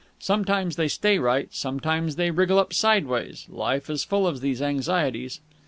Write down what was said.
Sometimes they stay right, sometimes they wriggle up sideways. Life is full of these anxieties.